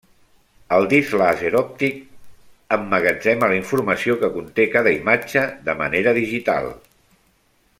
El disc làser òptic emmagatzema la informació que conté cada imatge de manera digital.